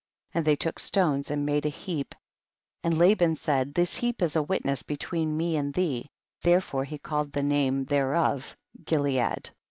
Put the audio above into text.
52. And they took stones and made a heap, and Laban said, this * Hebrew, steal my heart. heap is a witness between me and thee, therefore he called the name thereof Gilead.